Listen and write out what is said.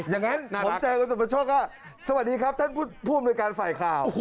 อย่างนั้นผมเจอกับสมชะครับสวัสดีครับท่านผู้บริการไฟข่าว